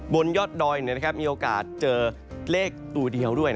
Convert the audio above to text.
บนยอดดอยมีโอกาสเจอเลขตัวเดียวด้วย